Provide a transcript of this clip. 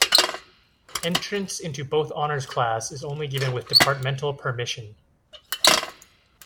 Entrance into both honors class is only given with departmental permission.